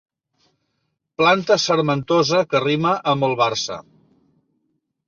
Planta sarmentosa que rima amb el Barça.